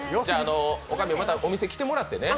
女将、またお店来てもらってね。